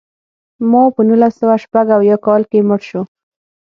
ماوو په نولس سوه شپږ اویا کال کې مړ شو.